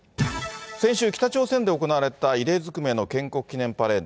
先週北朝鮮で行われた異例ずくめの建国記念パレード。